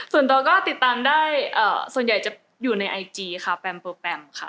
ส่วนตัวก็ติดตามได้ส่วนใหญ่จะอยู่ในไอจีค่ะแปมโปรแปมค่ะ